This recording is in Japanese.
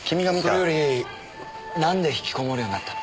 それよりなんで引きこもるようになったの？